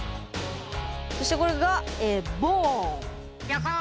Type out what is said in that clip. そしてこれが「ぼーん」。